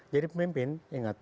jadi pemimpin ingat